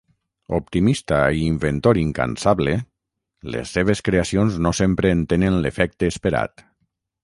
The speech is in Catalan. Optimista i inventor incansable, les seves creacions no sempre en tenen l'efecte esperat.